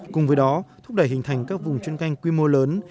cùng với đó thúc đẩy hình thành các vùng chuyên canh quy mô lớn